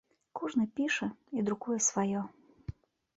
Кожны піша і друкуе сваё.